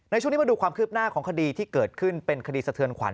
ช่วงนี้มาดูความคืบหน้าของคดีที่เกิดขึ้นเป็นคดีสะเทือนขวั